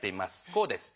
こうです。